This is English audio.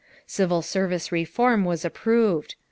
Civil service reform was approved.